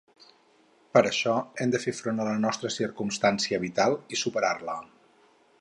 Per això, hem de fer front a la nostra circumstància vital i superar-la.